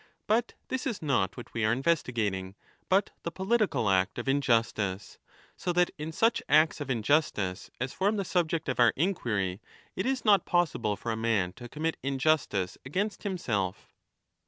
But this is not what we are investigating, but the political act of injustice. So that in such acts of injustice as form the subject of our inquiry, it is not possible for a man to commit injustice against himself.